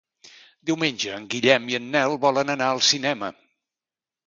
Diumenge en Guillem i en Nel volen anar al cinema.